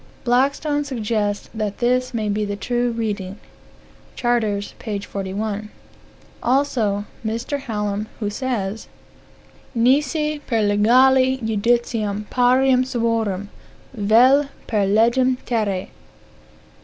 Blackstone suggests that this may be the true reading. (Charters, p. 41.) Also Mr. Hallam, who says:"Nisi per legale judicium parium suorum, vel per legem terra